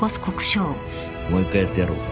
もう１回やってやろうか？